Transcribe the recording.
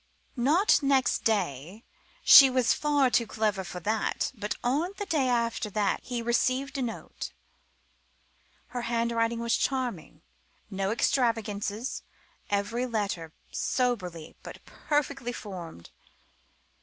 Not next day she was far too clever for that, but on the day after that he received a note. Her handwriting was charming; no extravagances, every letter soberly but perfectly formed.